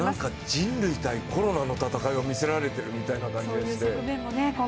人類対コロナの戦いを見せられているような感じがして。